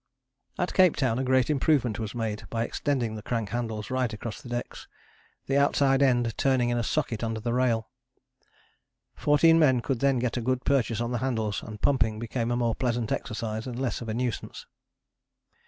At Cape Town a great improvement was made by extending the crank handles right across the decks, the outside end turning in a socket under the rail. Fourteen men could then get a good purchase on the handles and pumping became a more pleasant exercise and less of a nuisance.